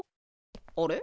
あれ？